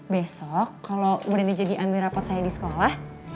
besok kalau berani jadi ambil rapot saya di sekolah